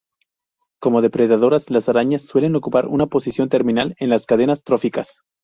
Como depredadoras, las arañas suelen ocupar una posición terminal en las cadenas tróficas.